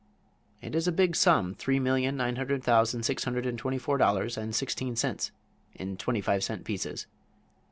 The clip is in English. It is a big sum, three million, nine hundred thousand, six hundred and twenty four dollars and sixteen cents in twenty five cent pieces.